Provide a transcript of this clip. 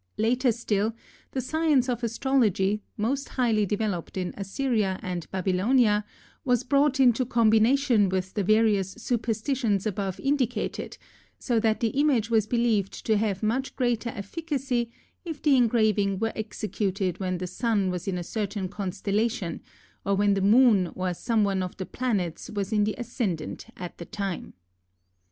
Later still, the science of astrology, most highly developed in Assyria and Babylonia, was brought into combination with the various superstitions above indicated, so that the image was believed to have much greater efficacy if the engraving were executed when the sun was in a certain constellation or when the moon or some one of the planets was in the ascendant at the time.